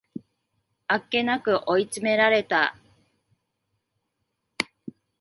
あっけなく追い詰められた